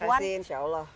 terima kasih insya allah